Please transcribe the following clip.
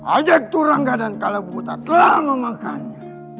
ajak turangga dan kalabuta telah memakannya